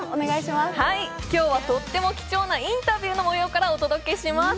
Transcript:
今日はとっても貴重なインタビューの様子からお伝えします。